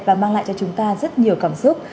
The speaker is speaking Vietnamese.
và mang lại cho chúng ta rất nhiều cảm xúc